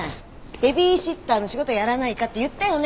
ベビーシッターの仕事やらないかって言ったよね？